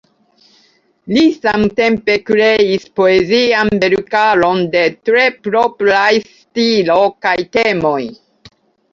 Li samtempe kreis poezian verkaron de tre propraj stilo kaj temoj.